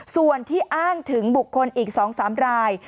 ส่วนที่อ้างถึงบุคคลอีก๒๓ราย